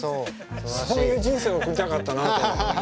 そういう人生を送りたかったなと思った今。